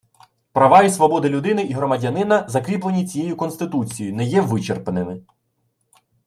Права і свободи людини і громадянина, закріплені цією Конституцією, не є вичерпними